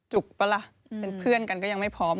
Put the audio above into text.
ปะล่ะเป็นเพื่อนกันก็ยังไม่พร้อม